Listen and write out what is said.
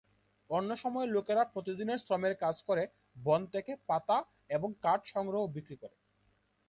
অন্য সময়ে লোকেরা প্রতিদিনের শ্রমের কাজ করে, বন থেকে পাতা এবং কাঠ সংগ্রহ ও বিক্রি করে।